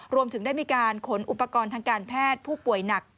รวมถึงได้มีการขนอุปกรณ์ทางการแพทย์ผู้ป่วยหนัก